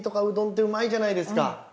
うどんってうまいじゃないですか。